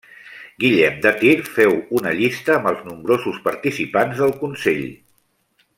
Guillem de Tir feu una llista amb els nombrosos participants del consell.